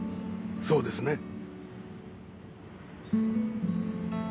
そうですね？